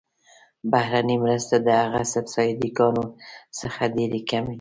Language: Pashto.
بهرنۍ مرستې د هغه سبسایډي ګانو څخه ډیرې کمې دي.